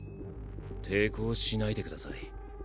抵抗しないでください。